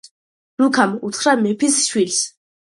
რუქამ უთხრა მეფის შვილს: